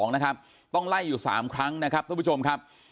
นะครับต้องไล่อยู่๓ครั้งนะครับทุกผู้ชมครับ